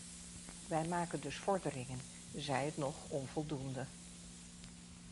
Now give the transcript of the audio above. Wij maken dus vorderingen, zij het nog onvoldoende.